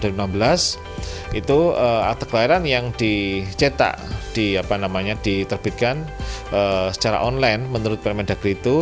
itu akte kelahiran yang dicetak diterbitkan secara online menurut permendagri itu